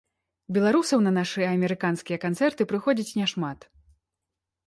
Беларусаў на нашы амерыканскія канцэрты прыходзіць няшмат.